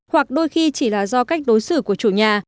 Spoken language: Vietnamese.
hoặc đôi khi chỉ là do cách đối xử của chủ nhà